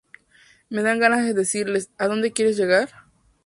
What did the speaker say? Me dan ganas de decirles: ¿A dónde quieres llegar?